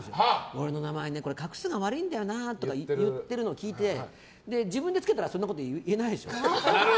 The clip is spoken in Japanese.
俺の名前、画数が悪いんだよなというのを聞いて自分でつけたらそんなこと言えないでしょ。